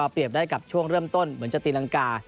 ได้กับช่วงเริ่มต้นเหมือนจะตีรังกา